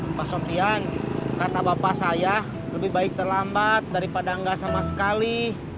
mbak sofian kata bapak saya lebih baik terlambat daripada gak sama sekali